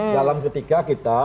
dalam ketika kita